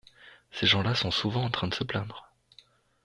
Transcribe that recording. Ces gens-là sont souvent en train de se plaindre.